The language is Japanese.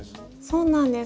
そうなんです。